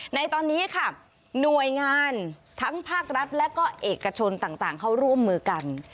ในตอนนี้ค่ะหน่วยงานทั้งภาครัฐและก็เอกชนต่างเขาร่วมมือกัน